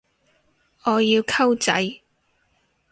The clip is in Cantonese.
我要溝仔